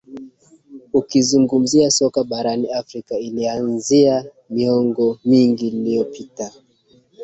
ukizungumzia soka barani Afrika ilianzia miongo mingi iliyopota